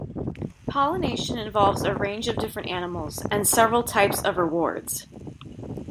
Pollination involves a range of different animals, and several types of rewards.